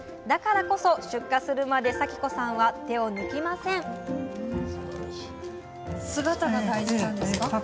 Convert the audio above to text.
だからこそ出荷するまで咲子さんは手を抜きません姿が大事なんですか？